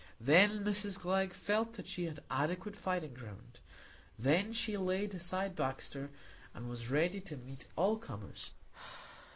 Then Mrs Glegg felt that she had adequate fighting ground; then she laid aside Baxter, and was ready to meet all comers.